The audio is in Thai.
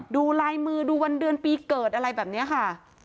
ดูลายมือดูวันเดือนปีเกิดอะไรแบบนี้ค่ะ